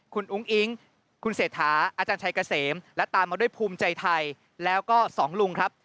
คุณอุ้งอิ๊งคุณเศรษฐาอาจารย์ชัยเกษมและตามมาด้วยภูมิใจไทยแล้วก็สองลุงครับ